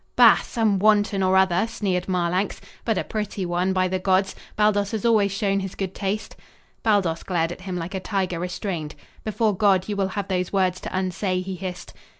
"Bah! Some wanton or other!" sneered Marlanx. "But a pretty one, by the gods. Baldos has always shown his good taste." Baldos glared at him like a tiger restrained. "Before God, you will have those words to unsay," he hissed.